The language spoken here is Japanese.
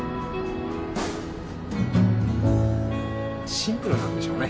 シンプルなんでしょうね。